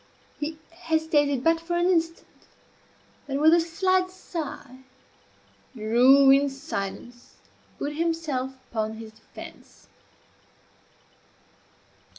He hesitated but for an instant; then, with a slight sigh, drew in silence, and put himself upon his defence.